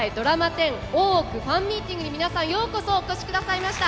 １０「大奥」ファンミーティングに皆さんようこそお越し下さいました。